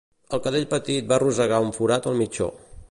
El cadell petit va rosegar un forat al mitjó.